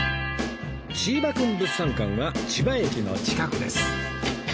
チーバくん物産館は千葉駅の近くです